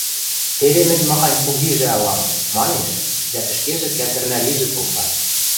– Теве мӹнь махань кугижӓ ылам! – манеш дӓ ӹшкежӹ кӓсӹрнӓл ижӹ колта.